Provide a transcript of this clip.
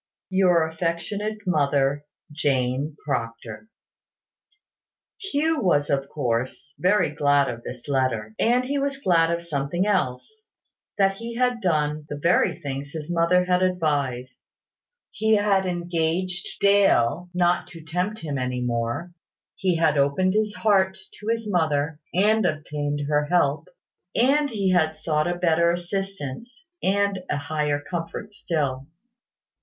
"Your affectionate mother, "Jane Proctor." Hugh was, of course, very glad of this letter. And he was glad of something else; that he had done the very things his mother had advised. He had engaged Dale not to tempt him on this subject any more. He had opened his heart to his mother, and obtained her help; and he had sought a better assistance, and a a higher comfort still.